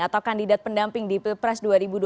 atau kandidat pendamping di pilpres dua ribu dua puluh